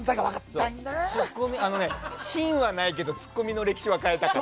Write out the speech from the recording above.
芯はないけどツッコミの歴史は変えた。